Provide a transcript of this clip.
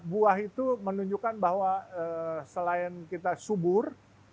buah itu menunjukkan bahwa selain kita subur